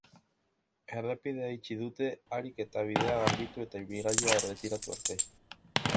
Errepidea itxi dute harik eta bidea garbitu eta ibilgailua erretiratu arte.